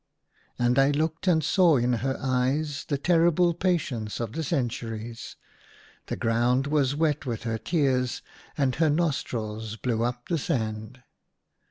And I looked and saw in her eyes the terrible patience of the centuries ; the ground was wet with her tears, and her nostrils blew up the sand.